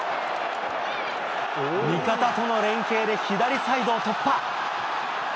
味方との連係で左サイドを突破。